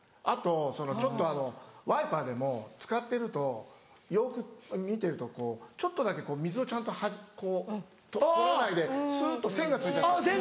あとちょっとワイパーでも使ってるとよく見てるとちょっとだけ水をちゃんと取らないでスっと線が付いちゃう。